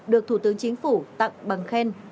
được thủ tướng chính phủ tặng bằng khen